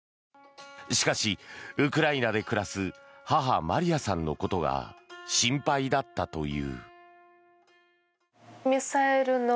しかし、ウクライナで暮らす母・マリヤさんのことが心配だったという。